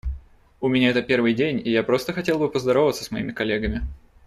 У меня это первый день, и я просто хотел бы поздороваться с моими коллегами.